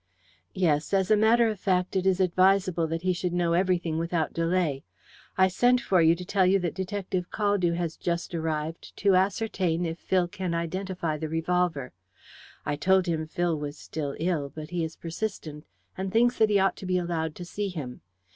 "Yes. As a matter of fact it is advisable that he should know everything without delay. I sent for you to tell you that Detective Caldew has just arrived to ascertain if Phil can identify the revolver. I told him Phil was still ill, but he is persistent, and thinks that he ought to be allowed to see him.